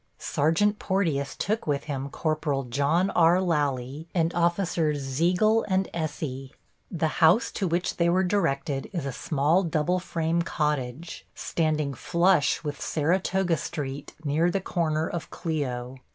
Sergeant Porteus took with him Corporal John R. Lally and Officers Zeigel and Essey. The house to which they were directed is a small, double frame cottage, standing flush with Saratoga Street, near the corner of Clio.